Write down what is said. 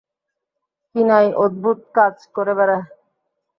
কিনাই অদ্ভূত কাজ করে বেড়ায়।